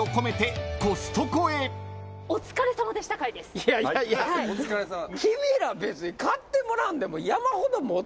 いやいや君ら別に買ってもらわんでも。